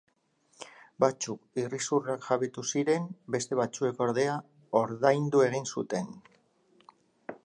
Batzuk iruzurraz jabetu ziren, beste batzuek, ordea, ordaindu egin zuten.